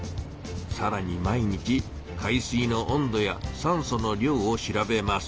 さらに毎日海水の温度やさんその量を調べます。